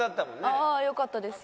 ああよかったです。